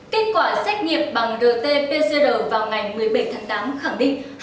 kết quả xét nghiệp bằng rt pzr vào ngày một mươi bảy tháng tám khẳng định